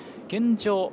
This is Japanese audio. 現状